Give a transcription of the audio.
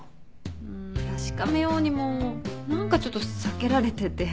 うん確かめようにも何かちょっと避けられてて。